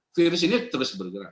virus ini terus bergerak